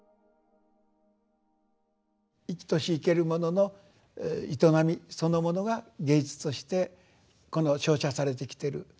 生きとし生けるものの営みそのものが芸術としてこの照射されてきてる。